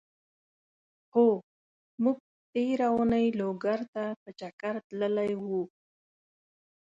هو! مونږ تېره اونۍ لوګر ته په چګر تللی وو.